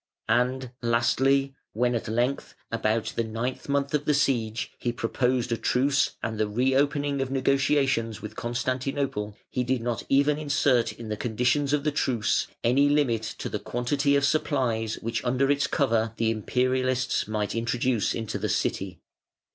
And, lastly, when at length, about the ninth month of the siege, he proposed a truce and the reopening of negotiations with Constantinople, he did not even insert in the conditions of the truce any limit to the quantity of supplies which under its cover the Imperialists might introduce into the City.